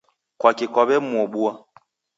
Kwaki kwawemuobua